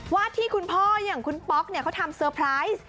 ที่คุณพ่ออย่างคุณป๊อกเนี่ยเขาทำเซอร์ไพรส์